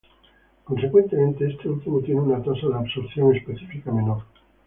Consecuentemente este último tiene una tasa de absorción específica menor.